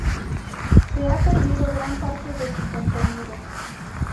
Se ha perdido gran parte de su contenido.